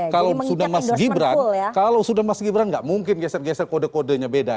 kalau sudah mas gibran kalau sudah mas gibran nggak mungkin geser geser kode kodenya beda